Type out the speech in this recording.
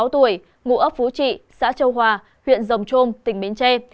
hai mươi sáu tuổi ngũ ấp phú trị xã châu hòa huyện rồng trôm tỉnh bến tre